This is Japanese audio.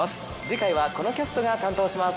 次回はこのキャストが担当します。